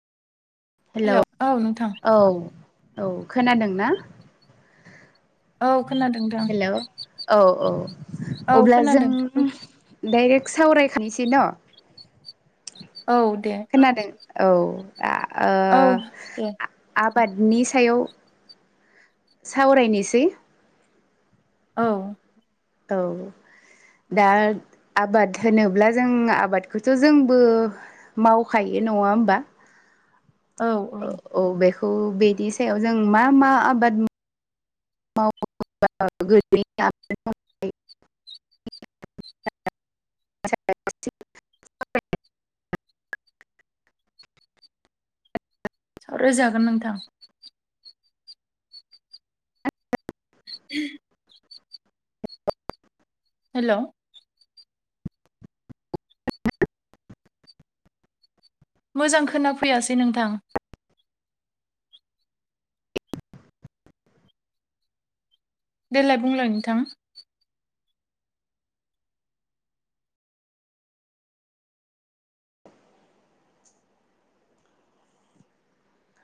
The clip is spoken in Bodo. हेलौ हेल' औ नोंथां औ औ खोनादों ना औ खोनादों दां हेल' औ औ औ अब्ला जों खोनादों डाइरेक्ट सावरायखांनोसै न' औ दे खोनादों औ दा औ दे ओ आबादनि सायाव सावरायनोसै औ औ दा आबाद होनोब्ला जों आबादखौथ' जोंबो मावखायो नङा ओमबा औ बेखौ बेनि सायाव जों मा मा आबाद मावो गो [unintelligible] सावराय जागोन नोंथां [inaudible] हेलौ मोजां खोनाफैयासै नोंथां देलाय बुंलाय नोंथां